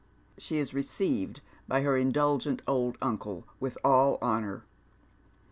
She is received by her indulgent old uncle with all honour.